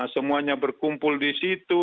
semuanya berkumpul di situ